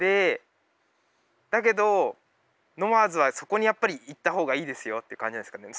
だけどノワーズはそこにやっぱり行った方がいいですよって感じなんですかね？